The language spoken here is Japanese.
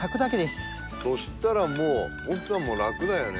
そしたらもう奥さんもラクだよね。